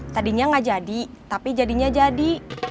tadinya nggak jadi tapi jadinya jadi